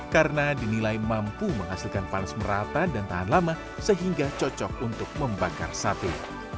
karena dinilai mampu menghasilkan panas merata dan tahan lama sehingga cocok untuk membakar sate